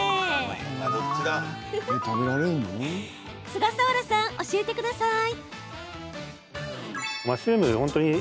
菅佐原さん、教えてください。